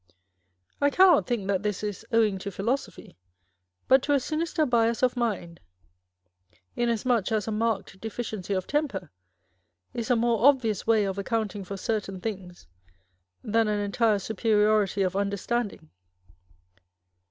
I cannot think that this is owing to philosophy, but to a sinister bias of mind; inasmuch as a marked deficiency of temper is a more obvious way of accounting for certain things than an entire superiority of under standing.